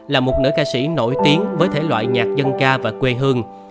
là một nữ ca sĩ nổi tiếng với thể loại nhạc dân ca và quê hương